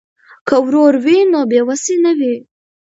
که ورور وي نو بې وسی نه وي.